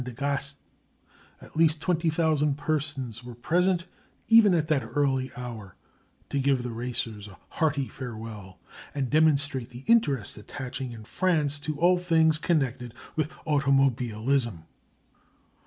de Gast. At least 20,000 persons were present, even at that early hour, to give the racers a hearty farewell, and demonstrate the interest attaching in France to all things connected with automobilism.